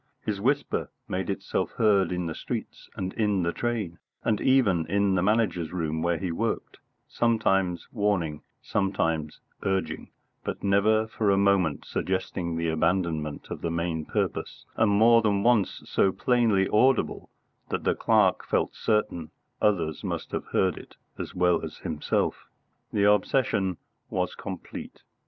His whisper made itself heard in the streets and in the train, and even in the Manager's room where he worked; sometimes warning, sometimes urging, but never for a moment suggesting the abandonment of the main purpose, and more than once so plainly audible that the clerk felt certain others must have heard it as well as himself. The obsession was complete.